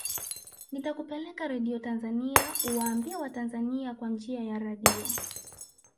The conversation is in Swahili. nitakupeleka radio tanzania uwaambie watanzania kwa njia ya radio